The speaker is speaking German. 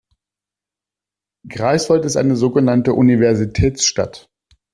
Greifswald ist eine so genannte Universitätsstadt.